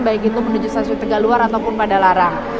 baik itu menuju stasiun tegaluar ataupun pada larang